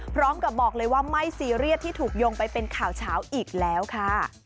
พร้อมกับบอกเลยว่าไม่ซีเรียสที่ถูกโยงไปเป็นข่าวเช้าอีกแล้วค่ะ